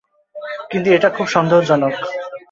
কিন্তু এটা খুবই সন্দেহজনক।